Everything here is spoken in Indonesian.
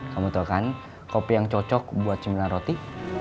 kamu tau kan kopi yang cocok buat cemilan roti